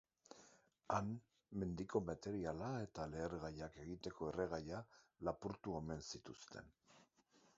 Han, mendiko materiala eta lehergaiak egiteko erregaia lapurtu omen zituzten.